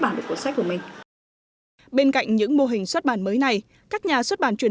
bản được cuốn sách của mình bên cạnh những mô hình xuất bản mới này các nhà xuất bản truyền